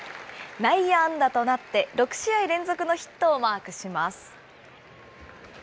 内野安打となって、６試合連続のヒットをマークします。